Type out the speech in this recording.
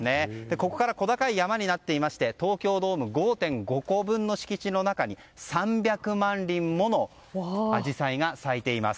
ここから小高い山になっていまして東京ドーム５．５個分の敷地の中に３００万輪ものアジサイが咲いています。